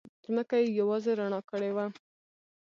ځمکه یې یوازې رڼا کړې وه.